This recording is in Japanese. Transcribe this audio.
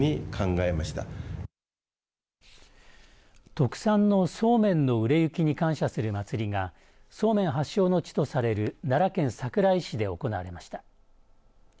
特産のそうめんの売れ行きに感謝する祭りがそうめん発祥の地とされる奈良県桜井市で行われました。